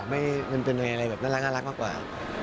มันเป็นอะไรแบบน่ารักมากกว่า